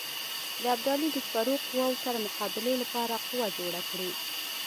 د ابدالي د سپرو قواوو سره مقابلې لپاره قوه جوړه کړي.